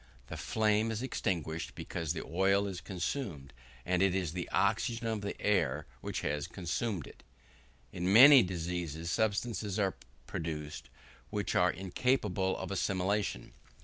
The flame is extinguished, because the oil is consumed; and it is the oxygen of the air which has consumed it. In many diseases substances are produced which are incapable of assimilation.